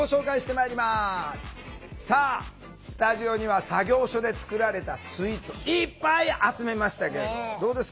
さあスタジオには作業所で作られたスイーツをいっぱい集めましたけどどうですか？